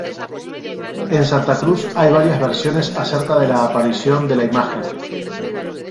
En Santa Cruz hay varias versiones acerca de la aparición de la imagen.